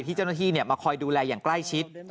เจ้าหน้าที่มาคอยดูแลอย่างใกล้ชิด